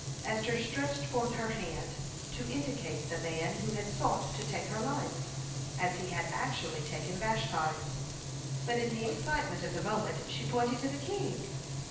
(178) Esther stretched forth her hand to indicate the man who had sought to take her life, as he had actually taken Vashti's, but in the excitement of the moment, she pointed to the king.